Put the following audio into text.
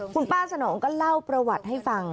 คุณป้าสนองก็เล่าประวัติให้ฟัง